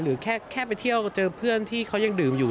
หรือแค่ไปเที่ยวเจอเพื่อนที่เขายังดื่มอยู่